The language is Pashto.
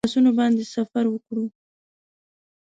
پر آسونو باندې سفر وکړو.